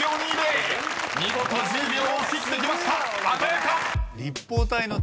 ［見事１０秒を切ってきました。